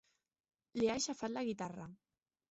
Li ha aixafat la guitarra.